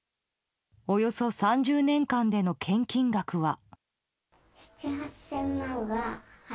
およそ３０年間での献金額は。